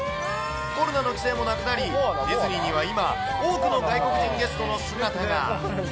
コロナの規制もなくなり、ディズニーには今、多くの外国人ゲストの姿が。